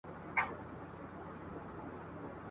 په خپل ژوند کي یې بوره نه وه څکلې !.